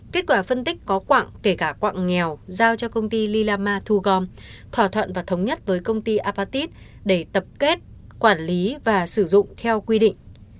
kết quả phân tích có quạng kể cả quạng nghèo giao cho công ty lilama thu gom thỏa thuận và thống nhất với công ty apatit để tập kết quản lý và sử dụng theo quy định